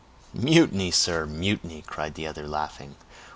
"Mutiny, sir, mutiny," cried the other, laughing.